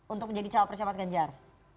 untuk menjadi cawapresnya mas ganjar